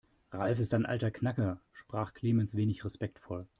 Ralf ist ein alter Knacker, sprach Clemens wenig respektvoll.